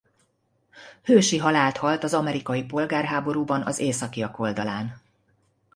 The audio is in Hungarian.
Hősi halált halt az amerikai polgárháborúban az északiak oldalán.